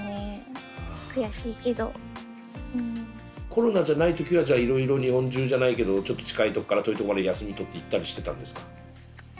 コロナじゃない時はじゃあいろいろ日本中じゃないけどちょっと近いとこから遠いとこまで休み取って行ったりしてたんですか？